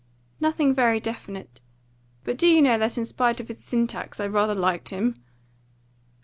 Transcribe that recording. "Nothing very definite. But do you know that in spite of his syntax I rather liked him?"